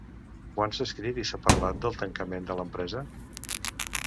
Quant s’ha escrit i s’ha parlat del tancament de l’empresa?